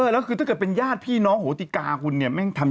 แล้วถ้าเกิดเป็นญาติพี่น้องโหติกาคุณทำอย่างไร